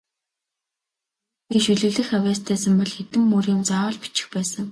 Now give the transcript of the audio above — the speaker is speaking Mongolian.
Хэрэв би шүлэглэх авьяастай сан бол хэдэн мөр юм заавал бичих байсан.